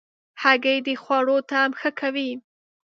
هګۍ د خوړو طعم ښه کوي.